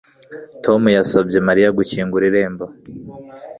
Tom yasabye Mariya gukingura irembo